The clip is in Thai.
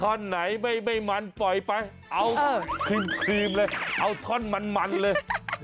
ท่อนไหนไม่มันปล่อยไปเอาครีมเลยเอาท่อนมันเลย